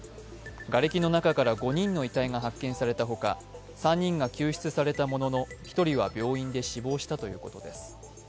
がれきの中から５人の遺体が発見されたほか３人が救出されたものの１人は病院で死亡したということです。